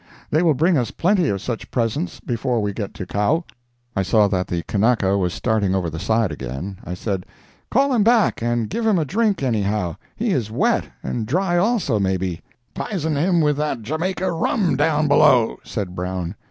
They will bring us plenty of such presents before we get to Kau." I saw that the Kanaka was starting over the side again. I said: "Call him back and give him a drink anyhow; he is wet—and dry also, maybe." "Pison him with that Jamaica rum down below," said Brown.